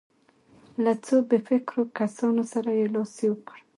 له څو بې فکرو کسانو سره یې لاس یو کړ.